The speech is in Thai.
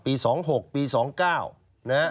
๒๖ปี๒๙นะฮะ